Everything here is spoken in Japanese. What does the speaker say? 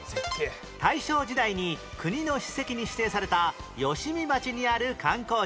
大正時代に国の史跡に指定された吉見町にある観光地